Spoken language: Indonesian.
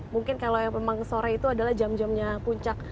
mungkin kalau yang memang sore itu adalah jam jamnya puncak